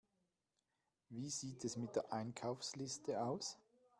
Wie sieht es mit der Einkaufsliste aus?